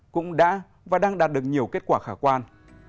cũng đã và đang đạt được nhiều kết quả khả quan